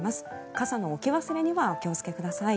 傘の置き忘れにはお気をつけください。